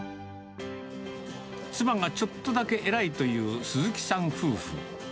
妻がちょっとだけ偉いという鈴木さん夫婦。